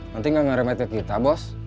nanti gak ngeri mati kita bos